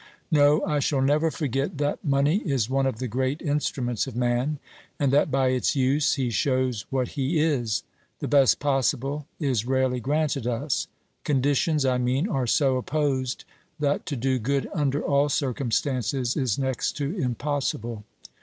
No, I shall never forget that money is one of the great instruments of man, and that by its use he shows what he is. The best possible is rarely granted us. Conditions, I mean, are so opposed, that to do good under all circum stances is next to impossible.